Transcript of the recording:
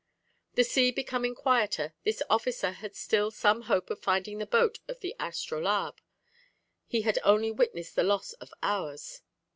"The sea becoming quieter, this officer had still some hope of finding the boat of the Astrolabe; he had only witnessed the loss of ours.